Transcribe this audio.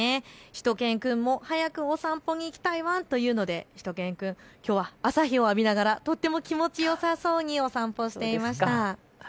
しゅと犬くんも早くお散歩に行きたいワンというのでしゅと犬くん、きょうは朝日を浴びながらとっても気持ちよさそうにお散歩していました。